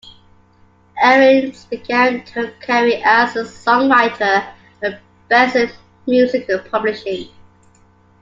Arends began her career as a songwriter at Benson Music Publishing.